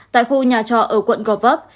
tại khu nhà trọ ở quận gò văn